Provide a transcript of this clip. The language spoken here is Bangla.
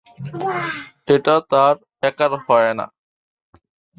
এটা তার একার হয় না।